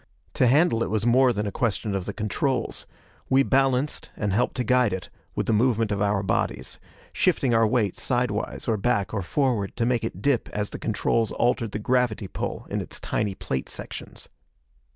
To handle it was more than a question of the controls. We balanced, and helped to guide it, with the movement of our bodies shifting our weight sidewise, or back, or forward to make it dip as the controls altered the gravity pull in its tiny plate sections.